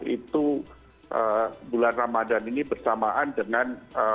itu bulan ramadhan ini bersamaan dengan